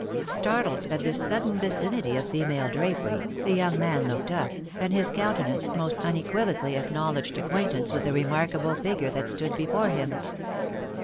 Startled at this sudden vicinity of female drapery, the young man looked up, and his countenance most unequivocally ac knowledged acquaintance with the remarkable figure that stood before him.